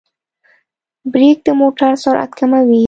برېک د موټر سرعت کموي.